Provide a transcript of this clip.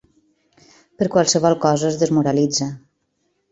Per qualsevol cosa es desmoralitza.